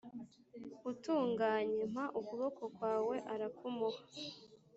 Utunganye mpa ukuboko kwawe arakumuha